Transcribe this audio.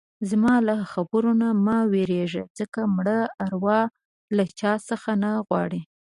زما له خبرو نه مه وېرېږه ځکه مړه اروا له چا څه نه غواړي.